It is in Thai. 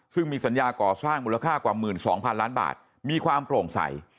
ซึ่งมีสัญญาก่อสร้างมูลค่ากว่า๑๒๐๐๐ล้านบาทมีความโปร่งใส